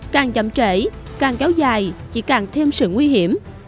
càng chậm trễ càng kéo dài chỉ càng thêm sự nguy hiểm